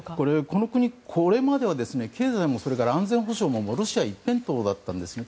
この国、これまでは経済もそれから安全保障もロシア一辺倒だったんですね。